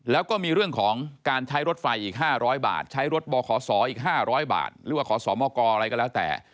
แล้วก็มีเรื่องของการใช้รถไฟอีก๕๐๐บาทใช้รถบขศอีก๕๐๐บาทหรือว่าขอสมกอะไรก็แล้วแต่